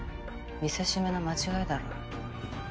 見せしめの間違いだろ。